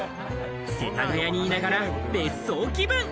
世田谷にいながら、別荘気分。